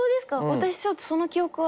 私ちょっとその記憶は。